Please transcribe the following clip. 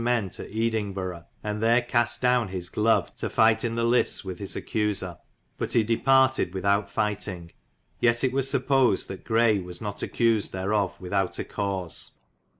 men to Edingborow, and there caste down his glove to fight in the listes with his accuser: but he departid withowte fighteting; yet was it supposid, that Gray was not accusid therof withoute a cawse.